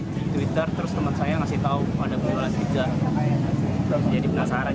bisa dapat digoreng di rumah twitter terus teman saya ngasih tahu pada pilihan pizza jadi penasaran